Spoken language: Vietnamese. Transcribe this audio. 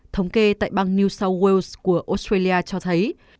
thống kê tại bang new south wales của australia cho thấy